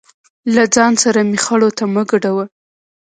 له ځان سره مې خړو ته مه ګډوه.